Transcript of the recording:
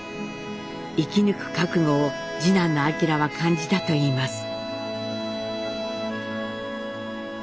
生き抜く覚悟を次男の晃は感じたといいます。